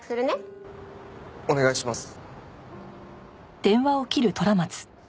お願いします。